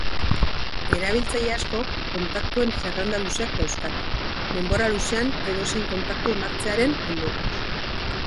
Erabiltzaile askok kontaktuen zerrenda luzeak dauzkate, denbora luzean edozein kontaktu onartzearen ondorioz.